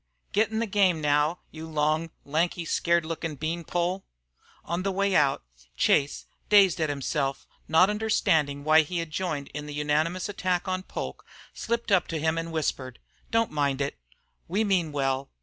"Git in the game, now, you long, lanky, scared lookin' beanpole!" On the way out, Chase, dazed at himself, not understanding why he had joined in the unanimous attack on Poke, slipped up to him and whispered, "Don't mind it. We mean well.